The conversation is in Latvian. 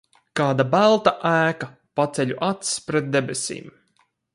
Kāda balta ēka! Paceļu acis pret debesīm.